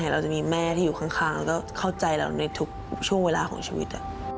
เราจะมีแม่ที่อยู่ข้างแล้วก็เข้าใจเราในทุกช่วงเวลาของชีวิต